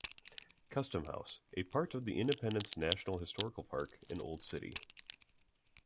Custom House, a part of the Independence National Historical Park, in Old City.